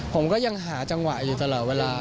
ผมก็ยังหาจังหวะอยู่ตลอดเวลา